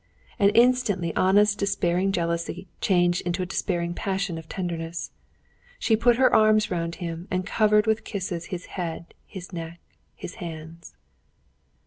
And instantly Anna's despairing jealousy changed to a despairing passion of tenderness. She put her arms round him, and covered with kisses his head, his neck, his hands.